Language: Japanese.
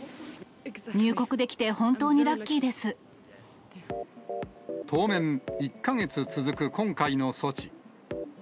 入国できて本当にラッキーで当面、１か月続く、今回の措置。